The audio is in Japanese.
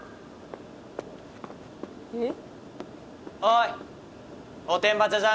「えっ？」